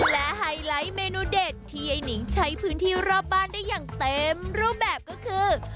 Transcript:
และไฮไลท์เมนูเด็ดที่ไอ้นิงใช้พื้นที่รอบบ้านได้อย่างเต็มรูปแบบก็คือ